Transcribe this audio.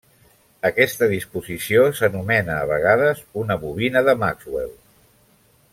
Aquesta disposició s'anomena, a vegades, una Bobina de Maxwell.